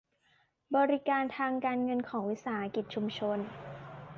บริการทางการเงินของวิสาหกิจชุมชน